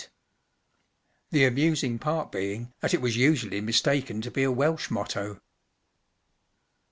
The amusing part being that it was usually mistaken to be a Welsh motto.